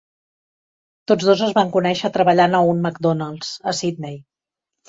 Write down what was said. Tots dos es van conèixer treballant a un McDonald's a Sydney.